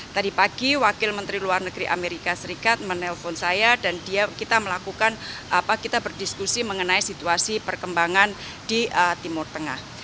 tadi pagi wakil menteri luar negeri amerika serikat menelpon saya dan kita melakukan apa kita berdiskusi mengenai situasi perkembangan di timur tengah